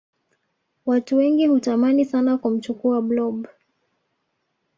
Watu wengi hutamani sana kumchukua blob